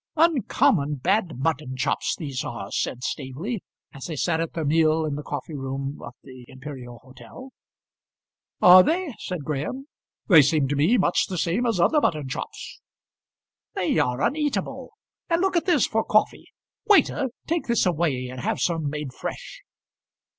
"Uncommon bad mutton chops these are," said Staveley, as they sat at their meal in the coffee room of the Imperial Hotel. "Are they?" said Graham. "They seem to me much the same as other mutton chops." "They are uneatable. And look at this for coffee! Waiter, take this away, and have some made fresh."